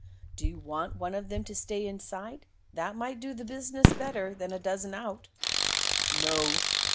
Do you want one of them to stay inside? That might do the business better than a dozen out." "No.